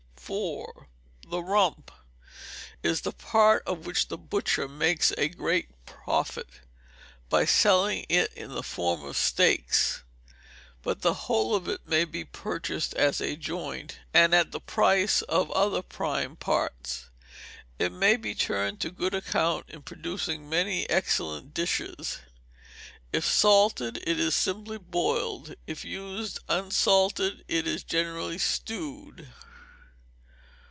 iv. The Rump is the part of which the butcher makes great profit, by selling it in the form of steaks, but the whole of it may be purchased as a joint, and at the price of other prime parts. It may be turned to good account in producing many excellent dishes. If salted, it is simply boiled; if used unsalted, it is generally stewed.